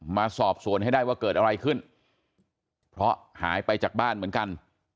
มาสอบสวนให้ได้ว่าเกิดอะไรขึ้นเพราะหายไปจากบ้านเหมือนกัน